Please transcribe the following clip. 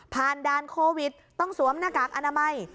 ด่านโควิดต้องสวมหน้ากากอนามัย